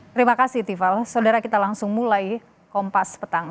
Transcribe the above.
terima kasih tiffal saudara kita langsung mulai kompas petang